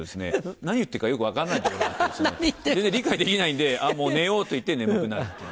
何言ってるかよく分かんないところがあってですね全然理解できないんで「あっもう寝よう」といって眠くなるっていう。